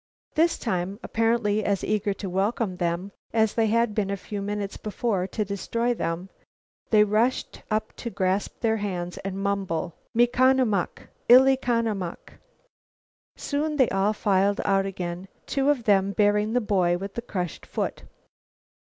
This time, apparently as eager to welcome them as they had been a few minutes before to destroy them, they rushed up to grasp their hands and mumble: "Me con a muck! Il e con a muck!" Soon they all filed out again, two of them bearing the boy with the crushed foot.